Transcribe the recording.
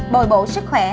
bồi bộ sức khỏe